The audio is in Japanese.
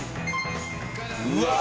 うわ！